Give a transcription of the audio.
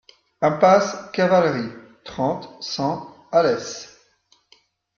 Impasse Cavalerie, trente, cent Alès